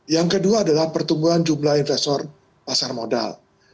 yang kedua adalah pertumbuhan jumlah investor pasar modal